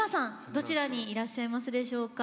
どちらにいらっしゃいますでしょうか。